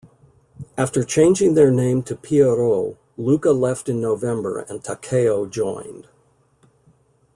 After changing their name to Pierrot, Luka left in November and Takeo joined.